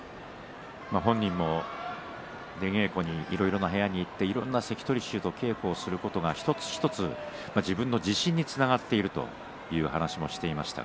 本人も出稽古でいろいろな部屋に行って他の関取衆と稽古することが自分の自信につながっているという話もしていました。